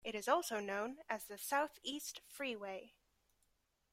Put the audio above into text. It is also known as the Southeast Freeway.